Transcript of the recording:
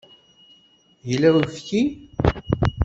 Yella uyefki?